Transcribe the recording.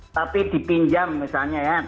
tapi dipinjam misalnya ya